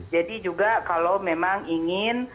jadi juga kalau memang ingin